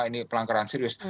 ini pelanggaran serius